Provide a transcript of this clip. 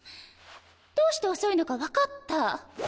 どうして遅いのか分かった。